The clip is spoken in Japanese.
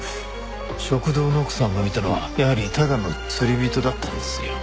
食堂の奥さんが見たのはやはりただの釣り人だったんですよ。